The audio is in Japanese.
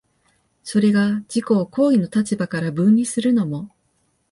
それが自己を行為の立場から分離するのも、